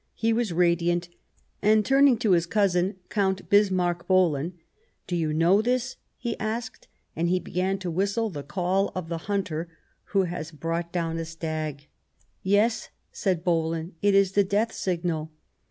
He was radiant, and, turning to his cousin, Count Bismarck Bohlen :" Do 370U know this ?" he asked, and he began to whistle the call of the hunter who has brought down a stag. " Yes," said Bohlen ;" it is the death signal."